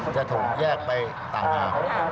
จะถูกแยกไปต่างหาก